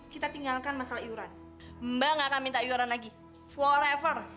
kita tinggalkan masalah iuran mbak gak akan minta iuran lagi forever